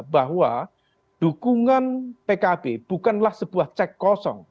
bahwa dukungan pkb bukanlah sebuah cek kosong